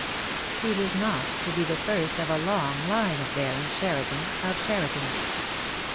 He was not to be the first of a long line of Barons Cheriton of Cheriton.